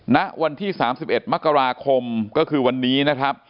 ณวันที่๓๑มกราคมก็คือวันนี้นะครับ